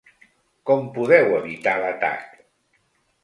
Com podeu evitar l’atac?